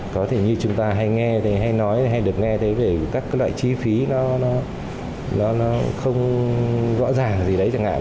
có thể như chúng ta hay nghe hay nói hay được nghe thế về các loại chi phí nó không rõ ràng gì đấy chẳng hạn